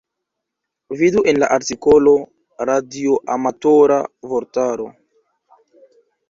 Vidu en la artikolo radioamatora vortaro.